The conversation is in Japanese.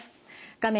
画面